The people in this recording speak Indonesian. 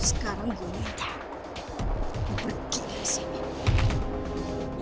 sekarang gue minta lo pergi dari sini